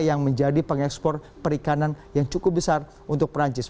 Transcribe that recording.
yang menjadi pengekspor perikanan yang cukup besar untuk perancis